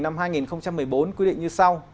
năm hai nghìn một mươi bốn quy định như sau